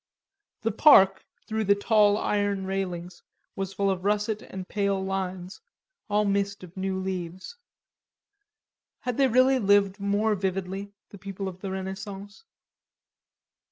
The park, through the tall iron railings, was full of russet and pale lines, all mist of new leaves. Had they really lived more vividly, the people of the Renaissance?